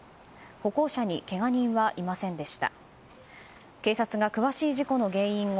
歩行者にけが人はいませんでした。